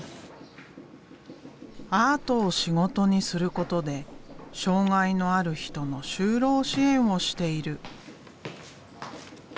アートを仕事にすることで障害のある人の就労支援をしている。